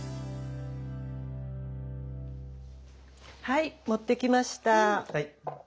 はい持ってきました。